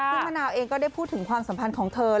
ซึ่งมะนาวเองก็ได้พูดถึงความสัมพันธ์ของเธอ